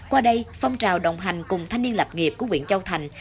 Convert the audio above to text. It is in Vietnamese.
qua đây phong trào đồng hành cùng thanh niên lập nghiệp của quyện châu thành